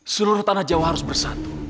seluruh tanah jawa harus bersatu